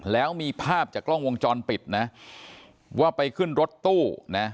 แล้วมีภาพจากกล้องวงจรปิดนะว่าไปขึ้นรถตู้นะ